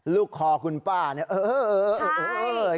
ลูกคอคุณป้าเนี่ยเออ